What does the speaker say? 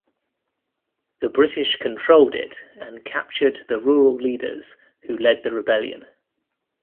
The British controlled it and captured the rural leaders who led the rebellion.